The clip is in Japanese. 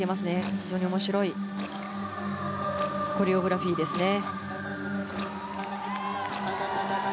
非常に面白いコレオグラフィーですね。